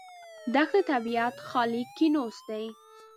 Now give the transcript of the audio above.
دښته د طبیعت خالي کینوس دی.